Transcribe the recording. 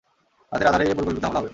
রাতের আঁধারেই এ পরিকল্পিত হামলা হবে।